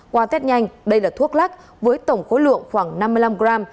qua test nhanh đây là thuốc lắc với tổng khối lượng khoảng năm mươi năm gram